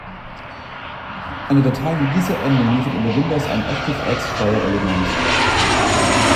Eine Datei mit dieser Endung liefert unter Windows ein ActiveX-Steuerelement.